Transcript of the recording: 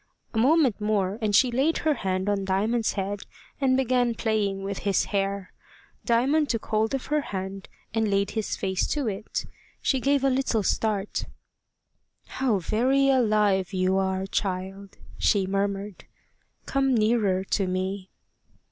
A moment more, and she laid her hand on Diamond's head, and began playing with his hair. Diamond took hold of her hand, and laid his face to it. She gave a little start. "How very alive you are, child!" she murmured. "Come nearer to me."